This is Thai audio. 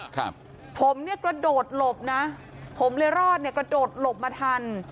ครับผมเนี่ยกระโดดหลบนะผมเลยรอดเนี่ยกระโดดหลบมาทัน